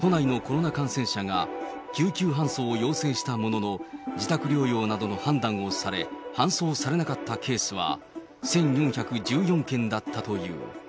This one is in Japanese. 関係者によると、今月９日から１５日までに都内のコロナ感染者が救急搬送を要請したものの、自宅療養などの判断をされ、搬送されなかったケースは、１４１４件だったという。